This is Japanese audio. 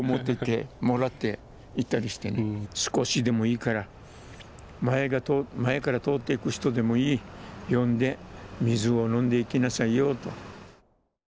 少しでもいいから前から通っていく人でもいい呼んで水を飲んでいきなさいよと。